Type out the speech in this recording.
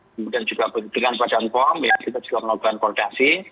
kemudian juga dengan wajah kom ya kita juga melakukan koordinasi